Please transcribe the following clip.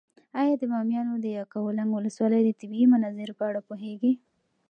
ایا د بامیانو د یکاولنګ ولسوالۍ د طبیعي مناظرو په اړه پوهېږې؟